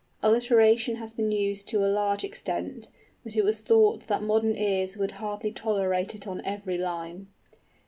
Alliteration has been used to a large extent; but it was thought that modern ears would hardly tolerate it on every line.